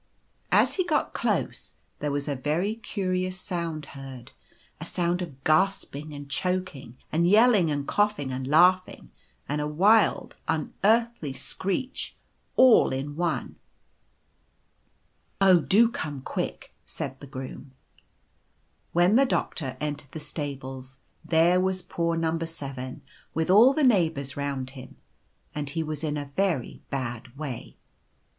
" As he got close there was a very curious sound heard — a sound of gasping and choking, and yelling and coughing, and laughing, and a wild, unearthly screech all in one. " c Oh, do come quick !' said the Groom. <c When the Doctor entered the stables there was poor No. 7 with all the neighbours round him, and he was in a very bad way.